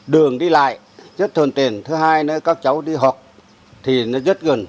đường đi lại rất thuần tiện thứ hai nữa các cháu đi học thì nó rất gần